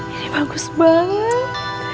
ini bagus banget